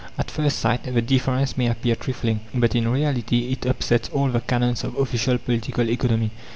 At first sight the difference may appear trifling, but in reality it upsets all the canons of official Political Economy.